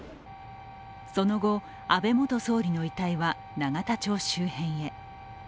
その後、安倍元総理の遺体は永田町周辺へ。